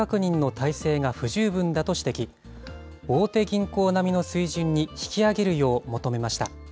大手銀行並みの水準に引き上げるよう求めました。